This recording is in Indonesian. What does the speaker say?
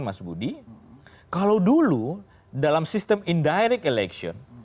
mas budi kalau dulu dalam sistem indirect election